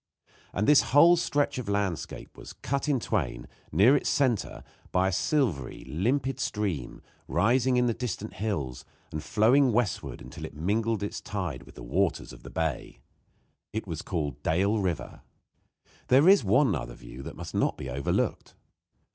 And this whole stretch of landscape was cut in twain, near its center, by a silvery, limpid stream, rising in the distant hills and flowing westward until it mingled its tide with the waters of the bay. It was called Dale River. There is one other view that must not be overlooked.